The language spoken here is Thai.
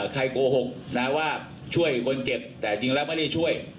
โกหกนะว่าช่วยคนเจ็บแต่จริงแล้วไม่ได้ช่วย